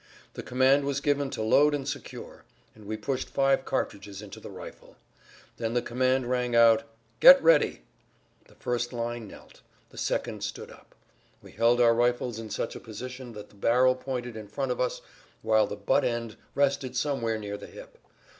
The command was given to load and secure, and we pushed five cartridges into the rifle. Then the command rang out, "Get ready!" The first line knelt, the second stood up. We held our rifles in such a position that the barrel pointed in front of us whilst the butt end rested somewhere near the hip.